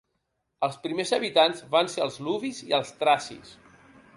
Els primers habitants van ser els luvis i els tracis.